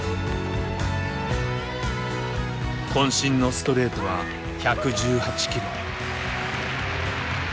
こん身のストレートは１１８キロ。